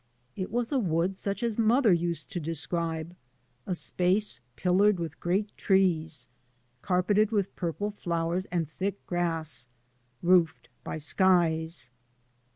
It was a wood such as mother used to describe, a space pillared with great trees, carpeted with purple flowers and thick grass, roofed by skies.